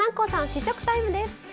試食タイムです。